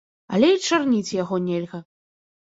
Але і чарніць яго нельга.